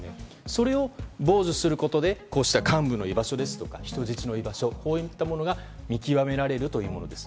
それを傍受することでこうした幹部の居場所とか人質の居場所こういったものが見極められるというものです。